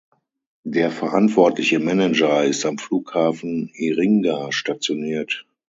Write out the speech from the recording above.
Der verantwortliche Manager ist am Flughafen Iringa stationiert.